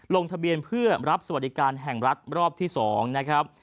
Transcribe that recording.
ลงทะเบียนเพื่อรับสวัสดิการแห่งรัฐรอบที่๒นะครับ